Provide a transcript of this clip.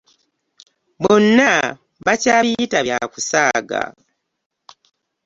Bonna bakyabiyita bya kusaaga.